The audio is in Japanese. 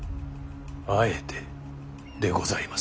あえてでございますな。